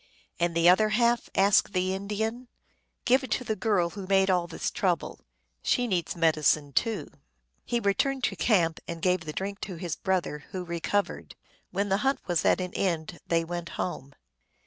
" And the other half ?" asked the Indian. " Give it to the girl who made all this trouble. She needs medicine, too." He returned to camp, and gave the drink to his brother, who recovered. When the hunt was at an end they went home.